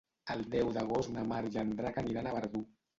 El deu d'agost na Mar i en Drac aniran a Verdú.